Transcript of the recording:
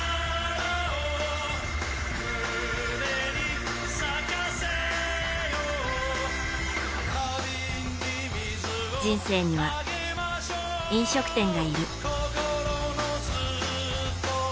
このまま人生には、飲食店がいる。